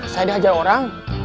saya dihajar orang